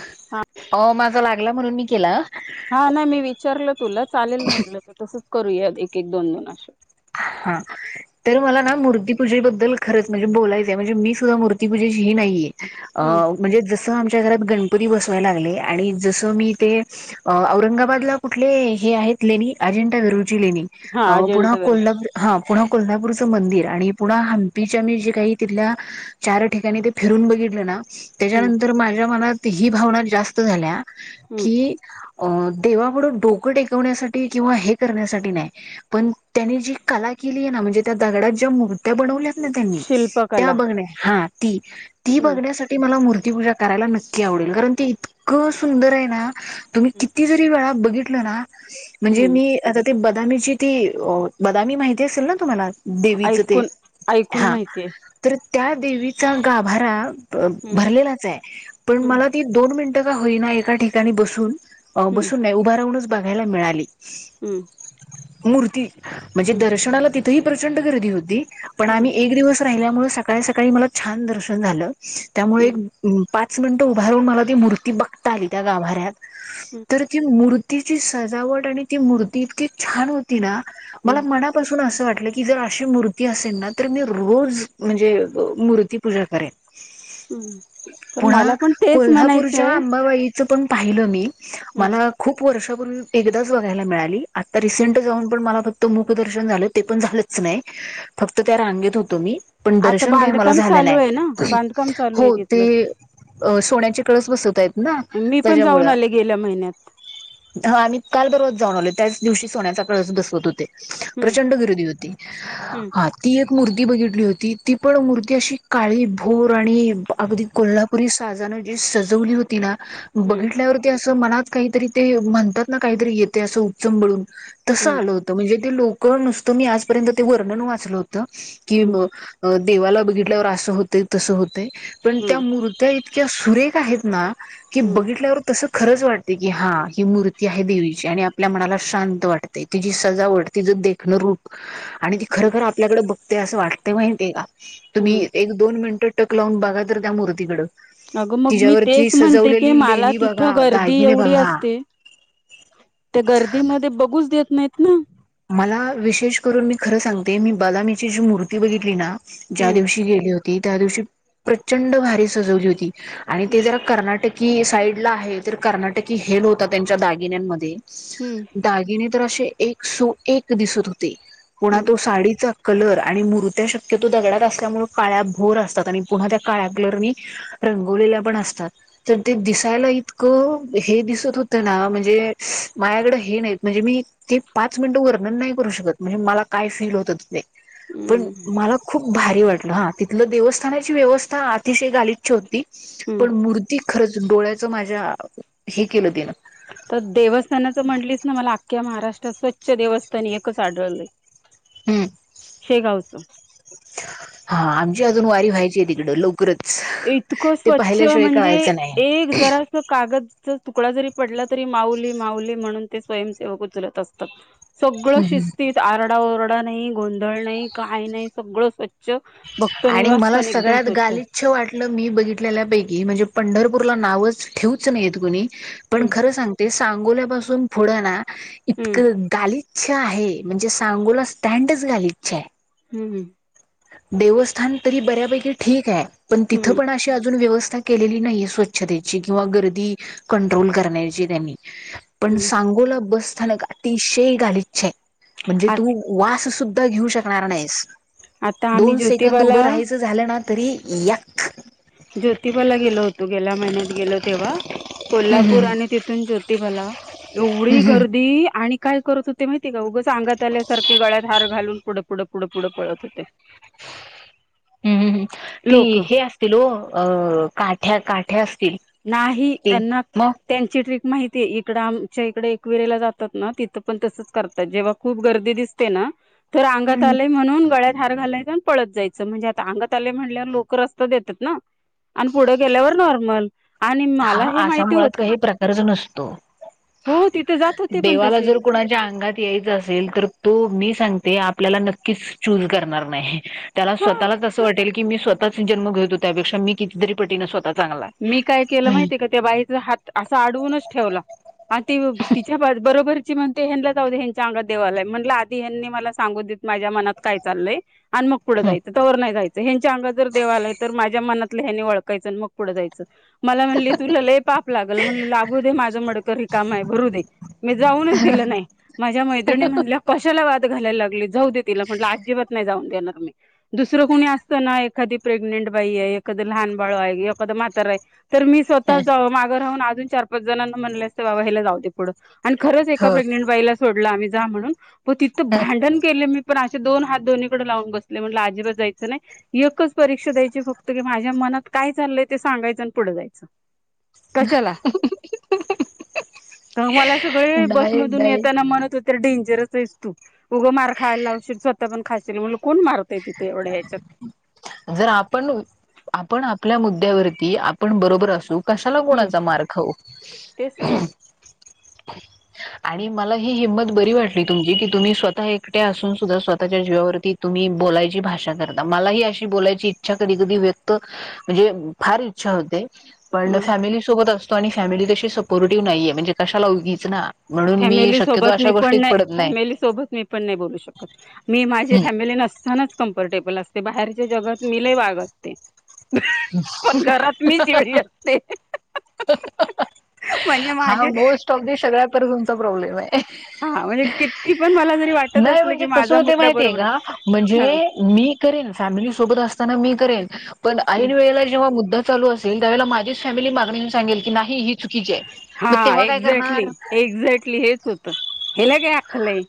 हा. हा हा नाही मी विचारल तुला चालेल म्हटलं तर तसच. करूया एक एक दोन दोन अे हा. तर मला ना मूर्तीपूजेबद्दल खरंच म्हणजे बोलायचंय म्हणजे मी सुद्धा मूर्तीपूजेची ही नाहीये. अ हम्म म्हणजे जस आमच्या घरात. गणपती बसवायला लागले आणि जसं मी ते औरंगाबादला कुठले हे आहेत लेनी अजिंटा विरुची लेणी हा अ पुन्हा अजिंठा वेरूळ कोल्हा हा पुन्हा कोल्हापूरचं मंदिर आणि पुन हमपीच्या मी जे काही तिथल्या चार ठिकाणी ते फिर बघितलं ना. हम्म त्याच्यानंतर माझ्या मनात ही भावना जास्त झाल्या हम्म की अ देवापडं डोकं टेकवण्यासाठी किंवा हे करण्यासाठी नाही पण त्यांनी जी कला केली आहे ना म्हणजे त्या दगडात ज्या मूर्त्या बनवल्या त्यांनी त्या शिल्पकला बघण्या हा ती ती हम्म बघण्यासाठी मला मूर्ती पूजा करायला नक्की आवडेल कारण ते इतकं सुंदर आहे ना तुम्ही हम्म किती जरी वेळा बघितलं ना म्हणजे हम्म मी आ त बदामीची ती. बदामीी माहिती असेल ना तुम्हाला देवीचं ते ऐकून ऐकून हा माहितीय तर त्या देवीचा गाभारा हम्म भरलेलाच आहे पण हम्म मला ती दोन मिनट. का होईना एका ठिकाणी बसून हम्म बसून नाही उभं राहूनच बघायला मिळाली. हम्म. मूर्ती म्हणजे हम्म दर्शनाला तिथेही प्रचंड गर्दी होती पण आम्ही हम्म एक दिवस [unintelligible] हम्म च मिनटं उभार राून मला ती मूर्ती बघता आली त्या गाभाऱ्यात हम्म तर ती मूर् तिची सजावट आणि ती मूर्ती इतकी छान होती ना मला हम्म मनापासून असं वाटत. आपलं की जर अशी मूर्ती असेल ना तर मी रोज म्हणजे मूर्तीपूजा करेन. हम्म पण पुन्हा मला पण तेच कोल्हापूरच्या म्हणायचंय अंबाबाई पण पाहिलं मी हम्म मला खूप वर्षापूर्ून एकदाच बघायला मिळाली. आता हम्म रिसेंट जाऊन पण मला त मुखदर्शन झालं ते पण झालंच नाही फक्त त्या रांगेत होतो मी, पण आता दर्शन काही मला बांधकाम झालं चालू आहे ना नाही बांधकाम चालू आहे हो ते तिथलं अ सोन्याचे कळस बसवतय ना मी पण जाऊन त्याच्यामुळे आले गेल्या महिन्यात हा आम्ही काल बरोबर जाऊन आलो. त्याच दिवशी सोन्याचा कळस बसवत होते हम्म प्रचंड गरदी होती हम्म हा ती मूर्ती बघितली होती ती पण मूर्ती अशी काळी भोर आणि अगदी कोल्हापुरी का सजवली होती ना हम्म बघितल्यावरती अस मला काहीतरी ते म्हणतात ना काहीतरी येते अस उपचबळून तसं हम्म आलं होतं म्हणजे ते लोक नुसतं मी आजपर्यंत ते वर्णन वाचलं होतं की, हम्म देवाला बघितल्यावर असं होते तसं होते पण त्या हम्म मूर्त्या इतक्या सुरेख आहेत ना, की बघितल्यावर तस खरंच वाटते की हा ही मूर्ती आहे देवीची आणि आपल्या मनाला शांत वाटते तिची सजा ओढते. तिचं देखणं रूप आणि ती हम्म खरखर आपल्याकडे बघते असं वाटते माहिती आहे का हम्म तुम्ही एक दोन मिनिटं टक लावून बघा तर त्या मूर्तीकडें अगं मग मी तेच म्हणते की मला लेणी तिथं बघा गर्दी दागिने एवढी बघा असते. ते गर्दीमध्ये बघूच देत नाही. मला विशेष करून मी खरं सांगते मी बदामीची जी मूर्ती बघितली ना ज्या हम्म दिवशी गेले होती. त्या दिवशी प्रचंड भारी सजवली होती आणि ते हम्म जरा कर्नाटक क साईड आहे तर कर्नाटकी हेल होता त्यांच्या दागिनमध्ये हम्म दागि [inaudible] तरे एक सो एक दिसत होते पुणा तो साडीचा [inaudible] कलर आणि मुरत्या शक्यतो दगडात असल्यामुळे काळ्या भोर असतात आणि पुन्हा त्या काळ्या कलरनी [inaudible] रंगवलेल्या पण असतात तर ते दिसायला इतकं हे दिसत होतं ना म्हणजे [inaudible] माझ्याकडं हे नाहीत म्हणजे मी ती [inaudible] पाच मिनिटं वर्णन नाही करू शकत म्हणजे मला काय फील होत नाही पण हम्म मला खूप [inaudible] भारी वाटलं हा तिथलं देवस्थानाची व्यवस्था अतिशय गालीच्छ होती हम्म पण मूर्ती [inaudible] खरंच डोळ्याचं माझ्या हे केलं तिनं [inaudible] तर देवस्थानाच म्हटलीच ना मला आखक्या महाराष्ट्र [inaudible] स्वच्छ देवस्थान एकच आढळलं [inaudible] [inaudible] हम्म शेगावचं शकडे लो [inaudible] [inaudible] इतकं स्वच्छ म्हणजे कळायचं नाही एक जरास कागदच तुकडा जरी पडला तरी माऊली माऊली म्हणून ते स्वयंसेवक उचलत असतात. [inaudible] सगळं हम्म शिस्तीत आरडा ओरडा नाही गोंधळ नाही काही नाही सगळं स्वच्छ [inaudible] भक्त निवास पण एकदम स्वच्छ [inaudible] [inaudible] अच्छ वाटलं मी बघितल्यापैकी म्हणजे पंढरपूर ला नावच ठेवच नाहीेत कुणी [inaudible] पण हम्म खर सांगते सांगोल्या पाासून पुढे ना हम्म इतकं गलिच्छ इच्छा आहे म्हणजे सांगोला स्टँडच गलिच्छ आहे. [inaudible] [inaudible] हम् हम [inaudible] देवस्थान तरी बऱ्यापैकी ठीक आहे पण तिथं हम्म पण अशी अजून व्यवस्था [inaudible] केलेली नाही स्वच्छतेची किंवा गर्दी कंट्रोल करण्याची त्यांनी [inaudible] पण हम्म सांगोला बस स्थानक अतिशय गालिचछ आहे. [inaudible] म्हणजे आ तू वास सुद्धा घेऊ शकणार नाहीस. आता [inaudible] आम्ही दोन सेकंद ज्योतिबाला उभं राहायचं झालं ना तरी या [inaudible] ज्योतिबाला गेलो होतो गेल्या महिन्यात गेलो तेव्हा [inaudible] हम्म कोल्हापूर हम्म हम्म आणि तिथून ज्योतिबाला एवढी हम्म गर्दी आणि काय करत होते माहिती का उगच अंगात आल्याारखे गळ्यात हार घालून पुढं पुढं पुढं पुढं पळत होते. [inaudible] हम्म. ती लोक हे असतील हो अ काठ्या काठ नाही. त्यांना त्यांची ट्रिक मा इकड आमच्या इकडे एकवीरेला जातात ना तिथं पण तसच करतात जेव्हा खूप गर्दी दिसते ना तर अंगात हम्म. आलेय म्हणून गळ्यात हार घालायचं आणि पळत जायचं म्हणजे आता अंगात आले म्हणल्यावर लोक देतात ना. आणि पुढं गेल्यावर नॉर्मल. आणि हा मला हे असा माहिती मुळात होतं काही प्रकारच नसतो. हो तिथे जात होते पण देवाला तसे जर कुणाच्या अंगात यायच असेल तर तो मी सांगते आपल्याला नक्कीच चू करणार नाही त्याला हा स्वतःच अस वाटेल की स्वःच जन्म घेतो त्यापेक्षा मी कितीतरी पटीने स्वतः. चांगला मी काय केलं आहे माहितीय का त्या बाईचा हात असा अडवूनच ठेवला. हा ती तिच्या बरोबर. ती म्हणते ह्यानला जाऊ दे यांच्या अंगात देव आलाय म्हटलं आधी हनी मला सांगून देत माझ्या मनात काय चालय? आणि मग पुढं हम्म. जायचं तवर नाही जायचं. ह्यांच्या अंगात जर देवालाय तर माझ्या मनातलं ह्याने वळखायचं मग पुढं जायचं. मला म्हणली तुला लई पाप लागल म्हणल लागू दे, माझं मडक रिकाम हे काम आहे भरू दे मी जाऊनच दिलं माझ्या मैत्रिणी म्हण कशाला वाद घालायला लागली जाऊ दे तिला म्हटलं अजिबात नाही जाऊ दुसरं कोणी असत ना एखादी प्रेग्ंट बाई आहे, एखादी लहान बाळ आहे. एखाद मातारय तर मी हम्म. स्वतः माघं राहून चार-पाच जण म्हणल असतं बाबा ह्याला जाऊ दे पुढ आणि खरंच एका हो प्रेझेंट बाईला सोडला आम्ही म्हणून व तिथं भांडण केलं मी. पण असे दोन हात दोन्हीकडे लावून बसले. मनात काय चालय ते सांगायचं आणि पुढे जायचं. अहं हं हं तर मला सगळे नाही बसमधून नाही येताना म्हणत हो तर डेंजरच अस तू उगं मार खायला लावशील स्वतः पण खाशील म्हण कोण मारतय तिथं. जर आपण आपण आपल्या मुद्द्यावरती आपण बरोबर असू कशाला हम्म कोणाचा मार खाऊ. तेच तर आणि मला ही हिंमत बरी वाटली तुमची की तुम्ही स्वतः एकट्या असून सुद्धा स्वतःच्या जीवावरती तुम्ही बोलायची भा मला ह अशी बोलायची इच्छा कधी कधी व्यक्त म्हणजे फार इच्छा होते. पण हम्म फॅमिली सोबत असतो आणि फॅमिली तशी सपोर्टिव्ह नाहीये म्हणजे कशाला उगीच ना. म्हणून मी फॅमिली शक्यतो सोबत मी अशा पण गोष्टीत नाही. पडत फॅमिली सोबत मी पण नाही बोलू शकत मी माझी नाही फॅमिली नसतानाच कमफर्टेबल असते. बाहेरच्या जगात मी लई वाघ असते. अहं अहं हं पण घरात मी शेळी असते. अहं म्हणजे हा माझे मोस्ट ऑफ द सगळ्यात पर तुमचा प्रॉब्लेम आहे. हा म्हणजे किती पण मला जरी वाटत नाही असलं की म्हणजे कस माझा होते मुद्दा माहितीय बरोबर का म्हणजे? आहे. मी करेन फॅमिली सोबत असताना मी पण ह ऐनवेळी जेव्हा मुद्दा चालू असेल तेव्हा माझी फॅमिली मागंन येऊन सांगेल नाही ही चुकीची आहे. हा मग तेव्हा काय करणार एक्झॅक्टली एक्झॅक्टली हेच होतं. हेला काय अक्कल आहे,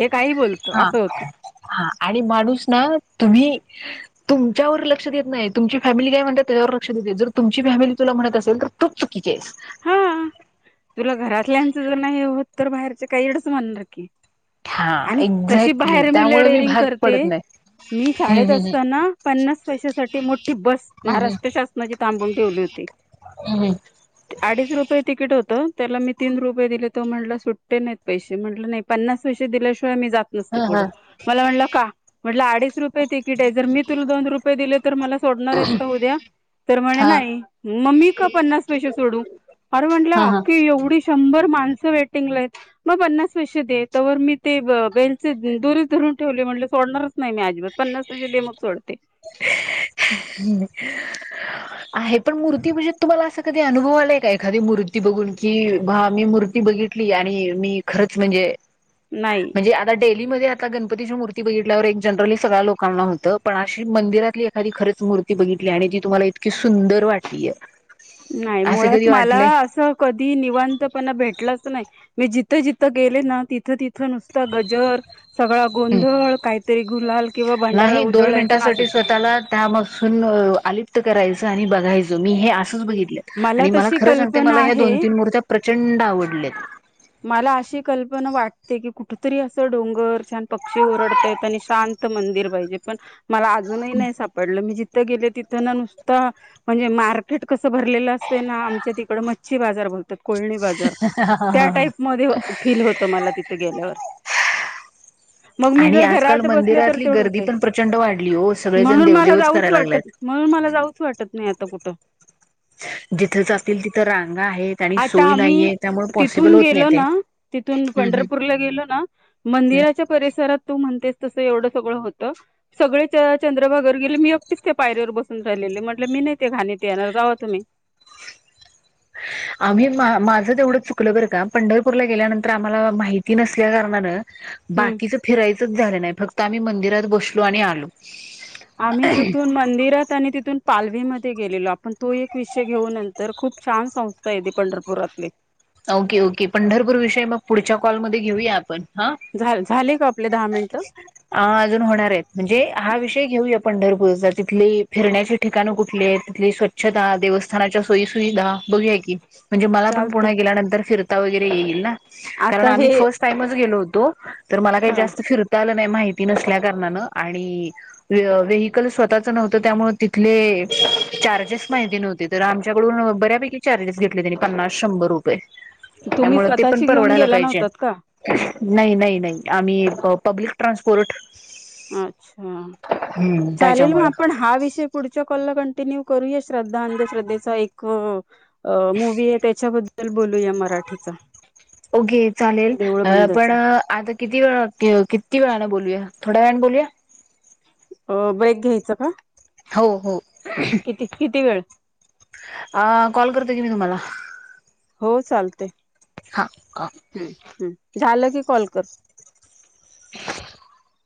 हे काही बोलतो हा असं होतं. हा आणि माणूस ना तुम्ही तुमच्यावर लक्ष देत नाही. तुमची फॅमिली काय म्हणतात त्याच्यावर लक्ष दे. जर तुमची फॅमिली तुला म्हणत असेल तर तूच चुकीची आहेस. हा. तुला घरातल्यांचं जर नाही होत, तर बाहेरचे काही एडच म्हणणार की. हा आणि कशी एक्झॅक्टली बाहेर मी लई त्यामुळे डेअरिंग भाग पडत करते. नाही. मी हम्म शाळेत हम्म असताना पन्नास पैसे साठी मोठी बस हम्म महाराष्ट्र शासनाची थांबून ठेवली होती. हम्म हम्म हम्म हम्म अडीच रुपये तिकीट हो त्याला मी तीन रुपये दिले तो म्हंटला सुट्टे नाहीत पैसे म्हंटलं नाही पन्नास पैसे दि हा हा म्ह अ [inaudible] तिकीट आहे जर मी तुला दोन रुपये दिले तर मला सोडणार आहेस का उद्या तर म्हणे हा नाही मम्मी का पन्नास पैसेा सोडू अरे म्हंटलं हा हा अखी एवढी शंर माण वेटंग म प्ना प मी द [inaudible] ठेवले म्हणाल सोडणारच नाही मी अजिबात सोडते पन्नास पैसे दे मग सोडते ह् आहे पण मूर्ती म्हणजे तुम्हाला अस कधी अनुभव आलाय का एखादी मूर्ती बघून की मी मूर् बघितली आणि मी खरंच म्हणजे नाही म्हणजे आता डेलीमध्ये आता गणपतीची मूर्ती बघितल्यावर एक जनरली सगळ्या लोकांना होतं पण अशी मंदिरातली एखादी खरंच मूर्ती बघितली आणि जी तुम्हाला इतकी सुंदर वाटलीय नाही असं मुळात कधी मला वाटलंय असं कधी निवतपणा भेटलं नाही मी जिथे जिथं गेले ना तिथं तिथ इथ नुसत गजर सगळा गोंधळ काहीतरी गुलाल किंवा भांडारा नाही दोन उधळायचं नासत मिनिटासाठी स्वतःला त्या पासून आलिप्त करायचं आणि बघायचं मी हे बित आणि मला तशी खर सांगते मला कल्पना ह्या आहे दोन तीन मूर्त्या प्रचंड आवडल्यात मला अशी कल्पना वाटते की कुठतरी असं डोंगर छान पक्षी ओरडतायेत आणि शांत मंदिर पाहिजे पण मला अजूनही नाही सापडलं मी ज तथ गेले तिथं ना नुसत म्हणजे मार्केट कसं भरलेलं असते ना आमच्या तिकड मच्छी बाजार भर कोळणी बाजार हा हा त्या हा टाईप मध्ये फील होत मला तिथे गेल्यावर मग [inaudible] मी आणि जर आजकाल घरात बसले तर मंदिरातली तेवढं गर्दी होतंय पण प्रचंड वाढली हो सगळेजण म्हणून मला देवदेवच जाऊच करायला वाटत लागलेत. म्हणून मला जाऊच वाटत नाही आता कुठं जिथ जातील तिथ रांगा आहेत आणि आता सोय आम्ही नाहीये त्यामुळे पॉसिबल तिथून होत नाही गेलो ते. ना तिथून हम्म हम्म. पंढरपूरला गेलो ना मंदिराच्या परिसरात तू म्हन तस येवड सगळ होत. सगळे चंद्रभागेवर गेले मी एकटीच त्या पायरीवर बसून राहिलेले म्ह मी नाही त्या घाणीत येणार जावा तुम्ही. [unintelligible] आम्ही मा माझं तेवढंच चुकलं बरं का. पंढरपूरला गेल्यानंतर आम्हाला माहिती नसल्या कारणानं हम्म बाकीच फिरायचंच झालं नाही फक्त आम्ही मंदिरात बसलो आणि आलो. आम्ही तिथून मंदिरात आणि तिथून पालवीमध्येध्ये गेलेलो आपण तो एक विषय घेऊन नंतर खूप छान संस्था आहेेते पंढरपुरातली ओके ओके पंढरपूर विषय मग पुढच्या कॉलमध्ये घेऊया आपण. हा. झा झाले का आपले दहा मिनिटं अ अजून होणार आहेत म्हणजे हा विषय घेऊया पंढरपू तिथली फिरण्याची ठिकाणं कुठली आहेत? तिथली स्वच्छता देवस्थानाच्या सोयीसुविधा बघूया की म्हणजे मला पण चालते पुन्हा गेल्यानंतर फिरता वगैरे येईल ना. कारण आता आम्ही हे फर्स्ट टाईमच गेलो होतो तर मला काही ह जास्त फिरता आल माहिती नसल्या कारणान आणि व्हेयिकल स्वतःच नव्हतं त्यामुळे तिथले चार्जेस माहिती नव्हते तर आमच्याकडून बऱ्यापैकी चार्जेस घेतले त्यांनी पन्नास शंभर रुपये. तुम्ही त्यामुळ ते पण स्वतःची घेऊन परवडायला गेला पाहिजे. नव्हतात का नाही नाही नाही आम्ही पब्लिक ट्रान्सपोर्ट अच्छा हम्म चालेल मग त्याच्यामुळे आपण हा विषय पुढच्या कॉलला तर न्यू करूया श्रद्धा अंध्रद्धेचा एक मुव्ही आहे त्याच्याबद्दल बोलूया मराठी साठीचा ओके चालेल, पण आता किती वेळा किती वेळाने बोलूया थोड्या वेळाने बोलूया? अ ब्रेक घ्यायचं का? हो हो. किती किती वेळ? अ कॉल करत की मी तुम्हाला. हो चालते हा हम्म हम्म. झालं की कॉल कर. [unintelligible]